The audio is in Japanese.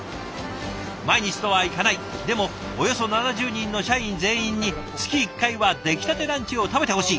毎日とはいかないでもおよそ７０人の社員全員に月１回は出来たてランチを食べてほしい。